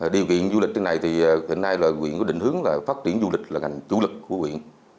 điều kiện du lịch trên này thì hiện nay là quyện có định hướng là phát triển du lịch là ngành chủ lực của quyện